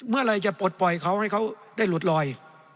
เมื่อไหร่จะปลดปล่อยเขาให้เขาได้หลุดลอย